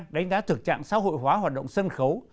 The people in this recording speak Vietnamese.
đánh giá thực trạng xã hội hóa hoạt động sân khấu